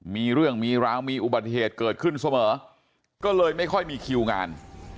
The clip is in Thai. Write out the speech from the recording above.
มีเรื่องมีราวมีอุบัติเหตุเกิดขึ้นเสมอก็เลยไม่ค่อยมีคิวงาน